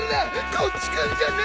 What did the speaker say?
こっち来んじゃね！